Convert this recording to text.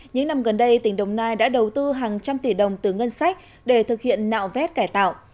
những năm gần đây tỉnh đồng nai đã đầu tư hàng trăm tỷ đồng từ ngân sách để thực hiện nạo vét cải tạo